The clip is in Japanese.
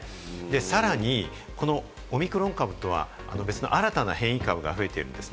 さらにこのオミクロン株とは別の新たな変異株が増えているんです。